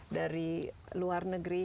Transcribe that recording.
ada yang berpengaruh